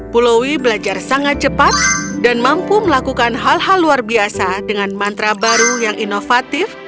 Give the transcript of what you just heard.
pulaui belajar sangat cepat dan mampu melakukan hal hal luar biasa dengan mantra baru yang inovatif